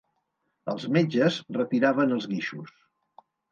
Els metges, retiraven els guixos